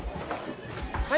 はい！